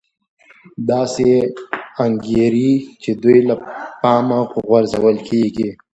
داسې انګېري چې دوی له پامه غورځول کېږي